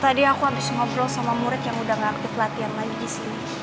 tadi aku abis ngobrol sama murid yang udah gak aktif latihan lagi disini